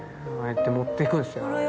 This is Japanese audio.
やって持っていくんですよ。